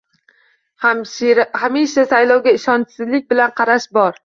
Hamisha saylovga ishonchsizlik bilan qarash bor